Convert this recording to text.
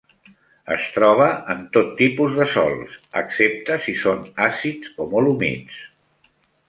Es troba en tot tipus de sòls, excepte si són àcids o molt humits.